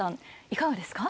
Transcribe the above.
いかがですか？